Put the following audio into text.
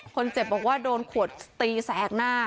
คนเจ็บบอกว่าโดนขวดตีแสกหน้า